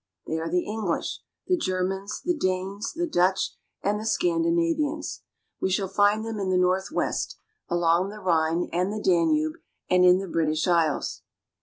They are the English, the Germans, the Danes, the Dutch, and the Scandinavians ; we shall find them in the northwest, along the Rhine and the Danube, and in the British Isles.